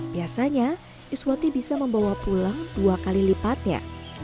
biasanya iswati bisa membawa pulang dua kali lipatnya